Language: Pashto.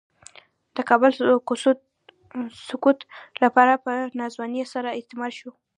د کابل د سقوط لپاره په ناځوانۍ سره استعمال شو.